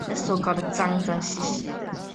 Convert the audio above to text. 大致与朝鲜半岛南部海岸线平行。